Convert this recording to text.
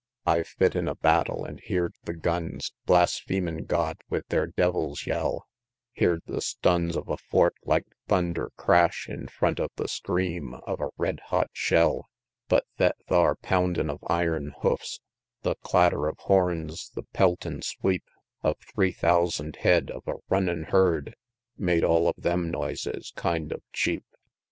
XXX. I've fit in a battle, an' heerd the guns Blasphemin' God with their devils' yell; Heerd the stuns of a fort like thunder crash In front of the scream of a red hot shell; But thet thar poundin' of iron hoofs, The clatter of horns, the peltin' sweep Of three thousand head of a runnin' herd, Made all of them noises kind of cheap.